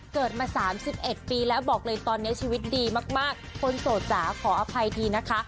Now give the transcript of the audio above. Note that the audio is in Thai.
เกิดมา๓๑ปีแล้วบอกเลยตอนนี้ชีวิตดีมากคนโสดจ๋าขออภัยทีนะคะ